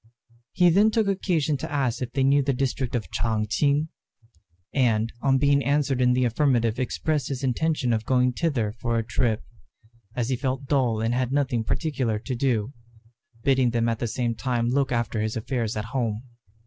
He then took occasion to ask if they knew the district of Ch'ang ch'ing, and on being answered in the affirmative expressed his intention of going thither for a trip, as he felt dull and had nothing particular to do, bidding them at the same time look after his affairs at home.